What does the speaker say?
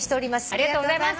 ありがとうございます。